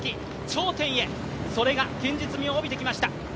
頂点へ、それが現実味を帯びてきました。